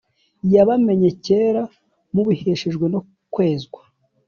yabamenye kera mubiheshejwe no kwezwa.